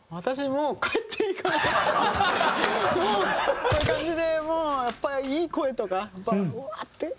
こういう感じでもうやっぱりいい声とかうわって。